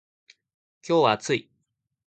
今日は暑い。